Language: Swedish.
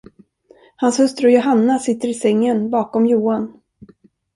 Hans hustru Johanna sitter i sängen bakom Johan.